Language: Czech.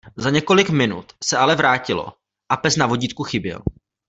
Za několik minut se ale vrátilo a pes na vodítku chyběl.